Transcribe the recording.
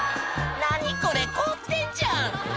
「何これ凍ってんじゃん！」